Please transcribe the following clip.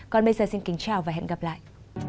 còn bây giờ xin kính chào và hẹn gặp lại